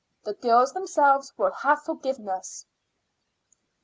The girls themselves will have forgiveness."